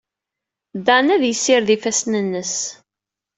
Dan ad yessired ifassen-nnes.